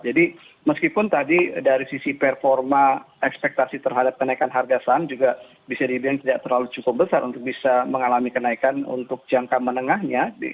jadi meskipun tadi dari sisi performa ekspektasi terhadap kenaikan harga saham juga bisa dibilang tidak terlalu cukup besar untuk bisa mengalami kenaikan untuk jangka menengahnya